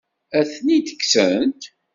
Ad ten-id-kksent?